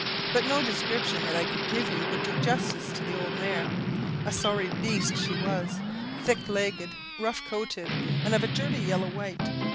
But no description that I could give you would do justice to the old mare. A sorry beast she was thick legged, rough coated, and of a dirty yellow white.